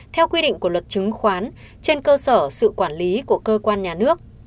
theo quy định của luật chứng khoán trên cơ sở sự quản lý của cơ quan nhà nước